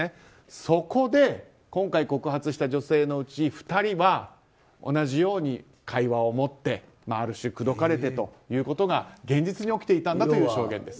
そこで今回告発した女性のうち２人は同じように会話を持ってある種、口説かれてということが現実に起きていたんだという証言です。